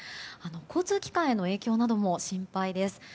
交通機関への影響なども心配です。